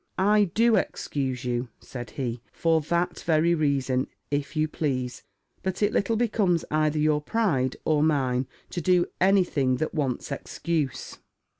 "I do excuse you," said he, "for that very reason, if you please: but it little becomes either your pride, or mine, to do any thing that wants excuse."